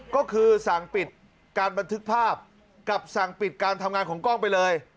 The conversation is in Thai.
ก็คือสั่งปิดการบันทึกภาพกับสั่งปิดการทำงานของกล้องไปเลย